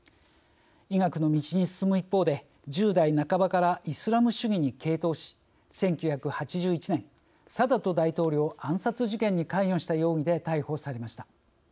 医学の道に進む一方で１０代半ばからイスラム主義に傾倒し１９８１年サダト大統領暗殺事件に関与した容疑で逮捕されました。